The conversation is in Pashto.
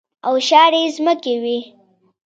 او شاړې ځمکې وې.